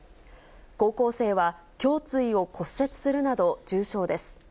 高校生は胸椎を骨折するなど、重傷です。